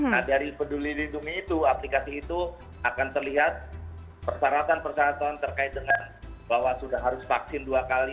nah dari peduli lindungi itu aplikasi itu akan terlihat persyaratan persyaratan terkait dengan bahwa sudah harus vaksin dua kali